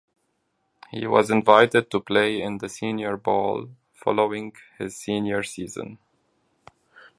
He was invited to play in the Senior Bowl following his senior season.